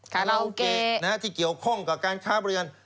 คาราโอเกะที่เกี่ยวข้องกับการค้าบริเวณ